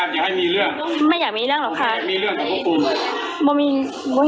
อ๋อเจ้าสีสุข่าวของสิ้นพอได้ด้วย